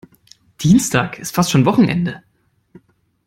Dienstag ist fast schon Wochenende.